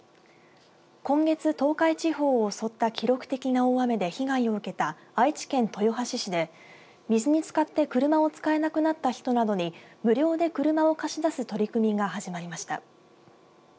今月、東海地方を襲った記録的な大雨で被害を受けた愛知県豊橋市で水につかって車を使えなくなった人などに無料で車を貸し出す取り組みが始まりました。